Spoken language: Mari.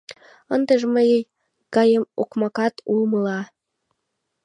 Ындыже мый гаем окмакшат умыла.